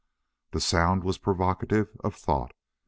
The sound was provocative of thought.